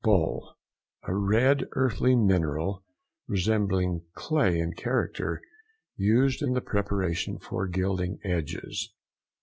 BOLE.—A red earthy mineral, resembling clay in character, used in the preparation for gilding edges.